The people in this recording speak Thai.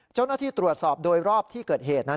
เจ้าหน้าที่ตรวจสอบโดยรอบที่เกิดเหตุนั้น